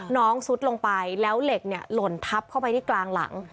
ซุดลงไปแล้วเหล็กเนี่ยหล่นทับเข้าไปที่กลางหลัง